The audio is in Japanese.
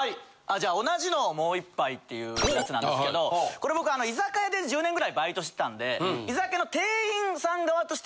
じゃあ「同じのもう１杯！」っていうやつなんですけどこれ僕あの居酒屋で１０年ぐらいバイトしてたんで。